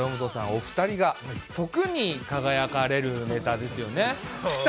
お二人が特に輝かれるネタですよね